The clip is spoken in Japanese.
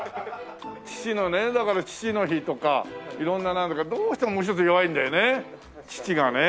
父のねだから父の日とか色んなどうしてももう一つ弱いんだよね父がね。